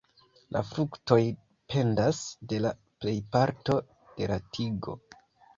La fruktoj pendas de la plejparto de la tigo.